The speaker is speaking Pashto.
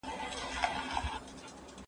هغه وويل چي ليک مهم دی!